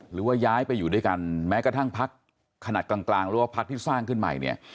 หรือว่าย้ายไปอยู่ด้วยกันแม้กระทั่งพักขนาดกลางกลางหรือว่าพักที่สร้างขึ้นใหม่เนี่ย